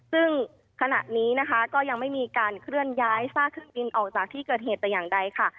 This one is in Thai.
ซึ่งขณะนี้นะคะก็ยังไม่มีการเคลื่อนย้ายซากเครื่องบินออกจากที่เกิดเหตุแต่อย่างใดค่ะ